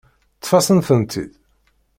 Ṭṭef-asen-tent-id.